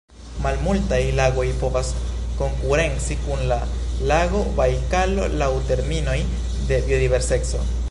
Malmultaj lagoj povas konkurenci kun la lago Bajkalo laŭ terminoj de biodiverseco.